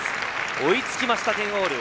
追いつきました、１０オール。